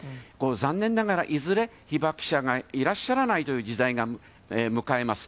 残念ながら、いずれ被爆者がいらっしゃらないという時代が迎えます。